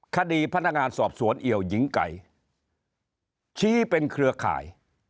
คดีพนักงานสอบสวนเอี่ยวหญิงไก่ชี้เป็นเครือข่าย